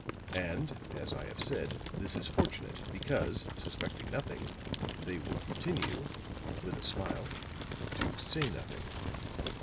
And, as I have said, this is fortunate, because, suspecting nothing, they will continue," with a smile, "to say nothing.